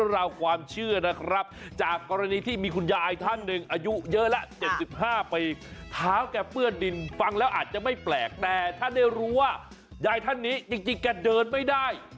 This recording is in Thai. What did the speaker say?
ราวความเชื่อนะครับจากกรณีที่มีคุณยายท่านหนึ่งอายุเยอะแล้ว๗๕ปีเท้าแกเปื้อนดินฟังแล้วอาจจะไม่แปลกแต่ท่านได้รู้ว่ายายท่านนี้จริงแกเดินไม่ได้